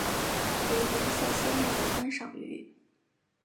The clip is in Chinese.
为色彩鲜艳的观赏鱼。